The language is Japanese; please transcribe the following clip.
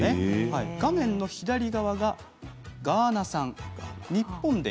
画面の左側がガーナ産です。